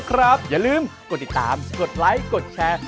อย่าลืมกดติดตามกดไลค์กดแชร์